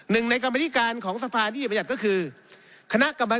ได้มีการตั้งกรรมนิการของสภานิติบัญญัติแห่งชาติ